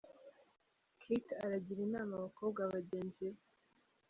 Kate aragira inama abakobwa bagenzi be.